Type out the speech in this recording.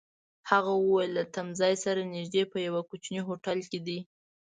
هغه وویل: له تمځای سره نژدې، په یوه کوچني هوټل کي دي.